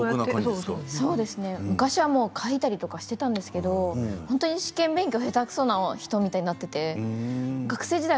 昔は書いたりとかしていたんですけど本当に試験勉強が下手くそな人みたいになっていて、学生時代